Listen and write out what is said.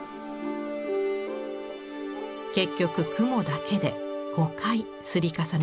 結局雲だけで５回摺り重ねました。